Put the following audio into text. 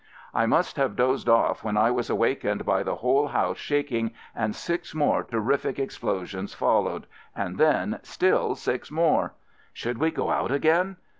I must have dozed off when I was awak ened by the whole house shaking and six more terrific explosions followed — and then still six more! Should we go out again?